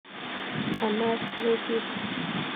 انار سره دي.